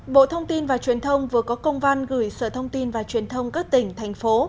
bộ thông tin và truyền thông vừa có công văn gửi sở thông tin và truyền thông các tỉnh thành phố